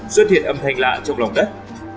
xuất hiện âm thanh lạ trong lòng đất